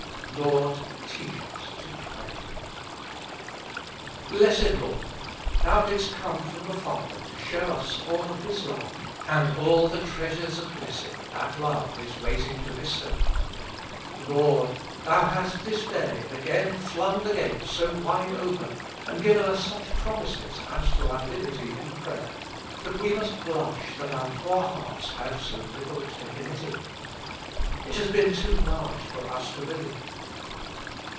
" Lord, teach us to pray." Blessed Lord ! Thou didst come from the Father to show us all His Love, and all the treasures of blessing that Love is waiting to bestow. Lord ! Thou hast this day again flung the gate so wide 91 With Christ in the School of Prayer. open, and given us such promises as to our liberty in prayer, that we must blush that our poor hearts have so little taken it in. Is has been too large for us to believe.